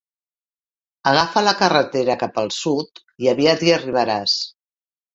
Agafa la carretera cap el sud i aviat hi arribaràs.